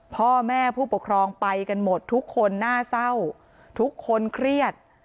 พ่อแม่ผู้ปกครองไปกันหมดทุกคนน่าเศร้าทุกคนเครียด